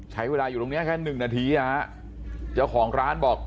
ใช้เวลาอยู่ตรงนี้แค่หนึ่งนาทีเจ้าของร้านบอก